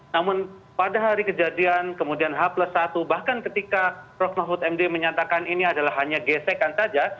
namun pada hari kejadian kemudian h satu bahkan ketika prof mahfud md menyatakan ini adalah hanya gesekan saja